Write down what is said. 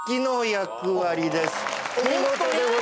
お見事でございます。